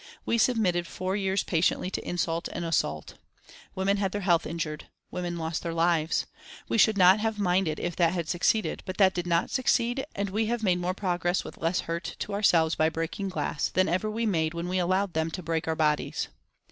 We submitted for years patiently to insult and assault. Women had their health injured. Women lost their lives. We should not have minded if that had succeeded, but that did not succeed, and we have made more progress with less hurt to ourselves by breaking glass than ever we made when we allowed them to break our bodies.